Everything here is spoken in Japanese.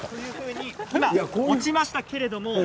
今、落ちましたけれども。